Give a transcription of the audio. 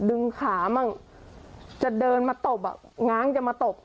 ดึงขามั่งจะเดินมาตบอ่ะง้างจะมาตบ